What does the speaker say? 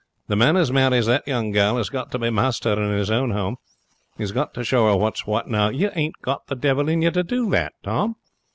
The man as marries that young gal has got to be master in his own home. He's got to show her what's what. Now, you ain't got the devil in you to do that, Tom.